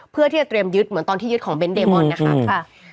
เพื่อที่จะเตรียมยึดเหมือนตอนที่ยึดของเน้นเดบอลนะคะ